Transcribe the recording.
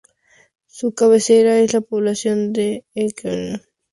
Su cabecera es la población de Eloxochitlán de Flores Magón.